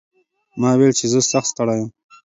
ما وویل چې زه سخت ستړی یم.